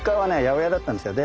八百屋だったんですよ。